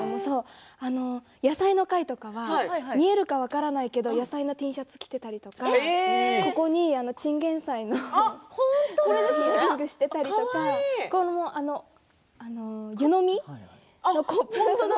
野菜の回とかは見えるか分からないけど野菜のＴシャツを着ていたりとかチンゲンサイのイヤリングをしていたりとか湯飲みのコップとか。